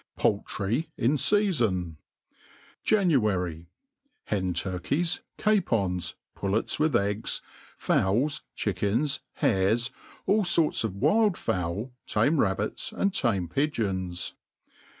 Poultry in Sea/in. JANUARY. Hen turkeys, capons, pullets with egg*, fowls, chickens, hares, all forts of wild fowl, tame rabbits, and tame pigeons.